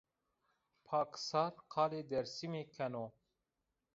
Paksar qalê Dêrsimî keno